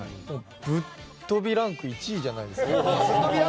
ぶっ飛びランク１位じゃないですか。